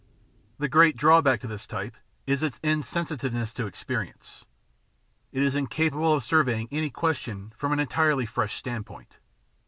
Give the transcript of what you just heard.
The great driawback to this type is its insensitiveness to ex perience: it is incapable of surveying any question from an en tirely fresh standpoint.